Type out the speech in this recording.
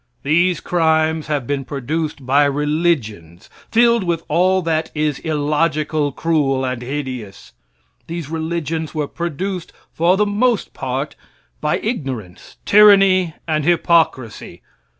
These crimes have been produced by religions filled with all that is illogical, cruel and hideous. These religions were produced for the most part by ignorance, tyranny, and hypocrisy.